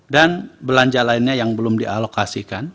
dan belanja lainnya yang belum dialokasikan